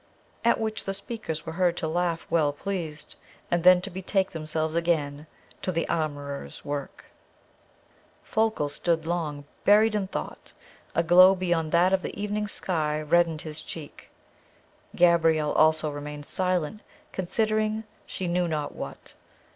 At which the speakers were heard to laugh well pleased, and then to betake themselves again to their armourer's work. Folko stood long buried in thought. A glow beyond that of the evening sky reddened his cheek. Gabrielle also remained silent, considering she knew not what.